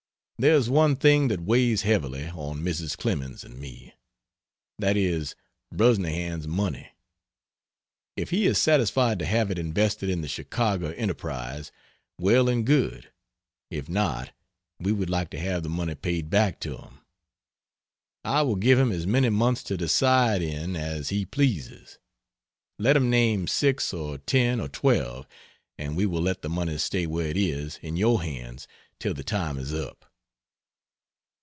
There is one thing that weighs heavily on Mrs. Clemens and me. That is Brusnahan's money. If he is satisfied to have it invested in the Chicago enterprise, well and good; if not, we would like to have the money paid back to him. I will give him as many months to decide in as he pleases let him name 6 or 10 or 12 and we will let the money stay where it is in your hands till the time is up.